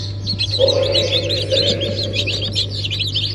Слово имеет представитель Кубы.